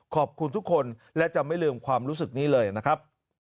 ขอบคุณทุกคนและจะไม่ลืมความรู้สึกนี้เลยนะครับ